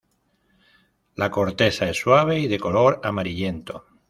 La corteza es suave y de color amarillento.